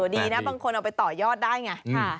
ดีนะบางคนเอาไปต่อยอดได้ไง